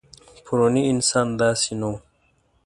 پروني انسان داسې نه و.